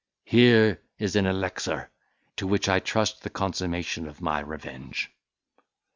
Here is an elixir, to which I trust the consummation of my revenge."